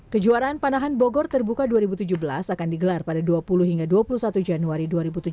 kejuaraan panahan bogor terbuka dua ribu tujuh belas akan digelar pada dua puluh hingga dua puluh satu januari dua ribu tujuh belas